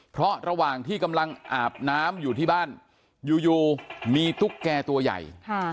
เพราะระหว่างที่กำลังอาบน้ำอยู่ที่บ้านอยู่มีตุ๊กแก่ตัวใหญ่